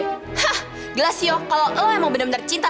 hah grasio kalo lo emang bener bener cinta